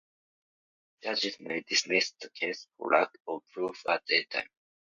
Judges may dismiss the case for lack of proof at any time.